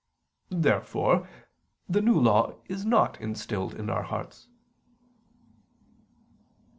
Therefore the New Law is not instilled in our hearts.